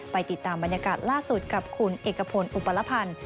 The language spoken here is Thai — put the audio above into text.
ไปติดตามบรรยากาศล่าสุดกับคุณเอกพลอุปลพันธ์